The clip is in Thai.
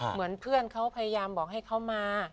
เหมือนเพื่อนเขาพยายามบอกให้เขามา